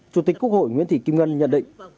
chủ tịch quốc hội nguyễn thị kim ngân nhận định